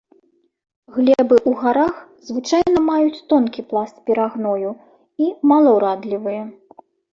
Глебы ў гарах звычайна маюць тонкі пласт перагною і малаўрадлівыя.